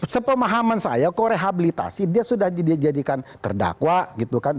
sepemahaman saya kok rehabilitasi dia sudah dijadikan terdakwa gitu kan